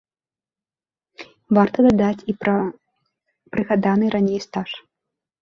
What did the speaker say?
Варта дадаць і пра прыгаданы раней стаж.